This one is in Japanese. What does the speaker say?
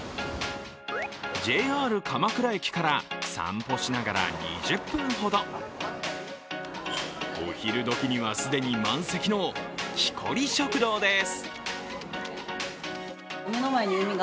ＪＲ鎌倉駅から散歩しながら２０分ほど。お昼どきには既に満席のキコリ食堂です。